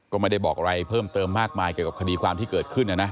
ก็ไม่ได้บอกอะไรเพิ่มเติมมากมายเกี่ยวกับคดีความที่เกิดขึ้นนะนะ